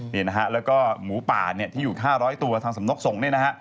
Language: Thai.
นี่นะฮะแล้วก็หมูป่าเนี่ยที่อยู่๕๐๐ตัวทางสำนกส่งเนี่ยนะฮะ